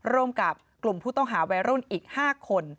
ร่วมกับกลุ่มผู้ต้องหาวัยรุ่นอีก๕คน